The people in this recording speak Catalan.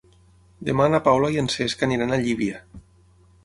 Demà na Paula i en Cesc aniran a Llívia.